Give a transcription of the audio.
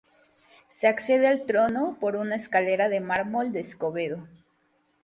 Se accede al trono por una escalera de mármol de Escobedo.